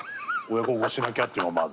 親孝行しなきゃっていうのがまず。